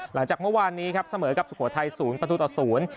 หลังจากเมื่อวานนี้ครับเสมอกับสุโขทัยศูนย์ประตูต่อศูนย์